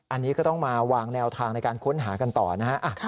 อันนี้ก็ต้องมาวางแนวทางในการค้นหากันต่อนะฮะ